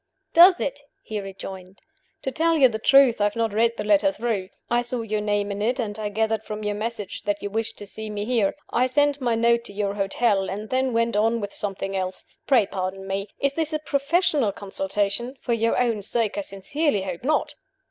"Does it?" he rejoined. "To tell you the truth, I have not read the letter through. I saw your name in it, and I gathered from your message that you wished to see me here. I sent my note to your hotel and then went on with something else. Pray pardon me. Is this a professional consultation? For your own sake, I sincerely hope not!"